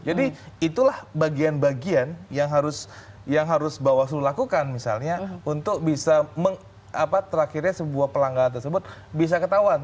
jadi itulah bagian bagian yang harus bawaslu lakukan misalnya untuk bisa terakhirnya sebuah pelanggan tersebut bisa ketahuan